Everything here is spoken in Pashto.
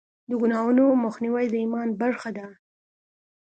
د ګناهونو مخنیوی د ایمان برخه ده.